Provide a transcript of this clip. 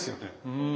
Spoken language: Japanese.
うん。